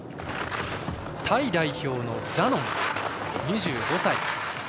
タイ代表のザノン、２５歳。